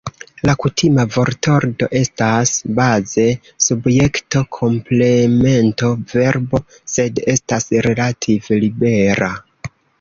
La kutima vortordo estas baze subjekto-komplemento-verbo, sed estas relative libera.